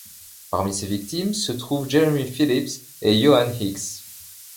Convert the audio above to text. Parmi ses victimes se trouvent Jeremy Phillips et Joan Hicks.